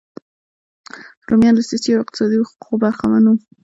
رومیان له سیاسي او اقتصادي حقونو برخمن وو.